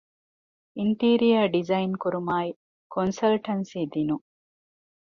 އިންޓީރިއަރ ޑިޒައިން ކުރުމާއި ކޮންސަލްޓަންސީ ދިނުން